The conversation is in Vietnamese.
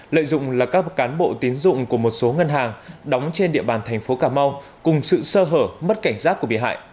lợi dụng là các cán bộ tín dụng của một số ngân hàng đóng trên địa bàn thành phố cà mau cùng sự sơ hở mất cảnh giác của bị hại